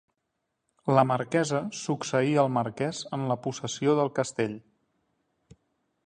La marquesa succeí al marquès en la possessió del castell.